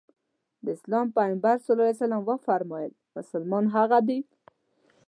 د اسلام پيغمبر ص وفرمايل مسلمان هغه دی.